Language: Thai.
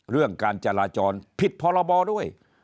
เรื่องการจราจรผิดพรบด้วย